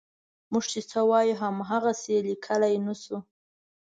موږ چې څه وایو هماغسې یې لیکلی نه شو.